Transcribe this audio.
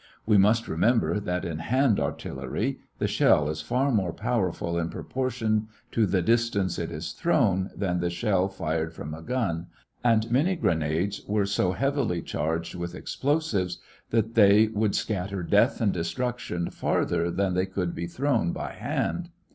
We must remember that in "hand artillery" the shell is far more powerful in proportion to the distance it is thrown than the shell fired from a gun, and many grenades were so heavily charged with explosives that they would scatter death and destruction farther than they could be thrown by hand.